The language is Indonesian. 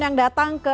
yang datang ke